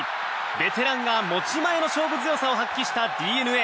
ベテランが持ち前の勝負強さを発揮したＤｅＮＡ。